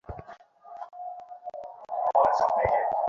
মতি তাহা জানে না।